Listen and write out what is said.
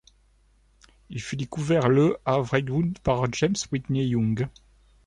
Il fut découvert le à Wrightwood par James Whitney Young.